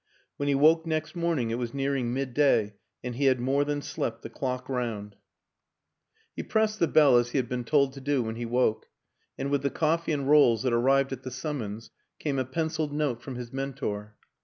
When he woke next morning it was nearing midday and he had more than slept the clock round. 191 192 WILLIAM AN ENGLISHMAN He pressed the bell as he had been told to do when he woke; and with the coffee and rolls that arrived at the summons came a penciled note from his mentor.